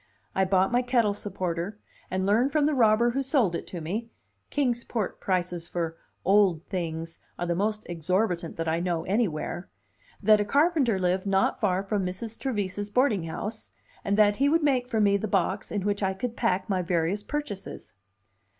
I bought my kettle supporter, and learned from the robber who sold it to me (Kings Port prices for "old things" are the most exorbitant that I know anywhere) that a carpenter lived not far from Mrs. Trevise's boarding house, and that he would make for me the box in which I could pack my various purchases.